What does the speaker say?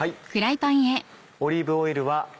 オリーブオイルは。